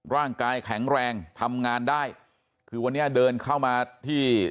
ร่างกายแข็งแรงทำงานได้คือวันนี้เดินเข้ามาที่